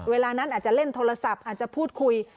เวลานั้นอาจจะเล่นโทรศัพท์อาจจะพูดคุย